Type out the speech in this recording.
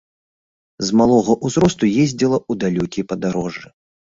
З малога ўзросту ездзіла ў далёкія падарожжы.